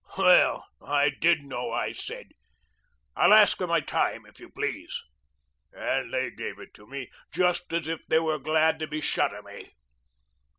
Well, I did know. I said, 'I'll ask for my time, if you please,' and they gave it to me just as if they were glad to be shut of me.